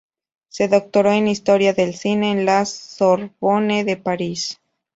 Se doctoró en Historia del cine en la Sorbonne de París.